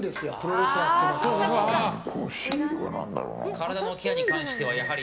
体のケアに関してはやはり。